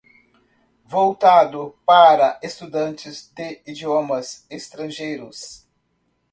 voltado para estudantes de idiomas estrangeiros.